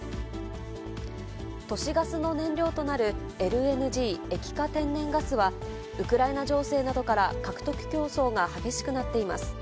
都市ガスの燃料となるＬＮＧ・液化天然ガスは、ウクライナ情勢などから、獲得競争が激しくなっています。